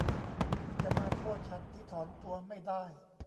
คุณจะมาโทษฉันที่ถอนตัวไม่ได้